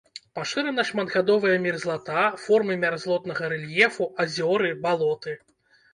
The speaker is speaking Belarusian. Пашырана шматгадовая мерзлата, формы мярзлотнага рэльефу, азёры, балоты.